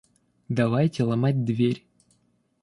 Давайте ломать дверь.